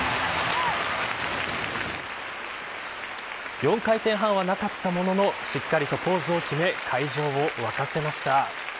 ４回転半はなかったもののしっかりとポーズをきめ会場をわかせました。